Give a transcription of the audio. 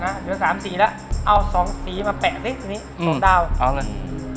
เดี๋ยวสามสีแล้วเอาสองสีมาแปะซิตรงนี้สองดาวเอาเลย